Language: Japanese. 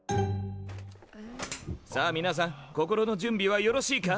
さあみなさん心の準備はよろしいか？